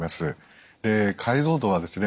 解像度はですね